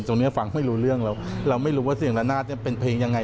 ตรงนี้ฟังไม่รู้เรื่องแล้วเราไม่รู้ว่าเสียงละนาดเนี่ยเป็นเพลงยังไง